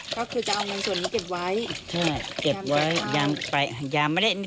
เขาคือจะเอาเงินส่วนนี้เก็บไว้ใช่เก็บไว้ยามไปยามไม่ได้ทำอะไร